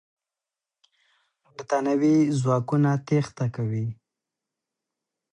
برتانوي ځواکونه تېښته کوي.